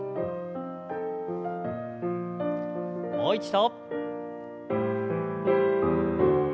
もう一度。